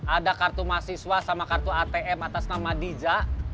ada kartu mahasiswa sama kartu atm atas nama dija